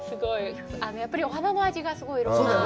やっぱりお花の味が、すごいいろんな。